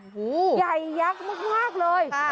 ใหญ่ยักษ์มากเลย